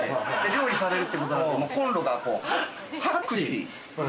料理されるってことなんでコンロが８口ございます。